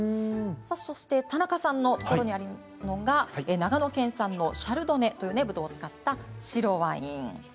そして田中さんのところにあるのが長野県産のシャルドネというぶどうを使った白ワイン。